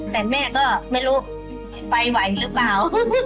แต่แม่ก็ไม่รู้ไปไหวหรือเปล่า